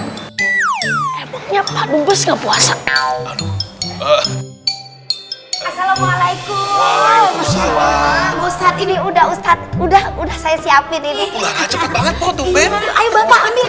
assalamualaikum ustadz ini udah ustadz udah udah saya siapin ini cepet banget pak dube ayo pak amir